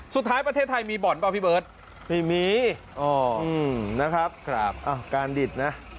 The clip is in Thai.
สุดท้ายประเทศไทยมีบ่อนเปล่าพี่เบิร์ต